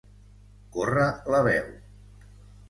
Córrer la veu.